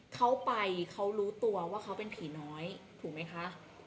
เขาไปเขารู้ตัวว่าเขาเป็นผีน้อยถูกไหมคะ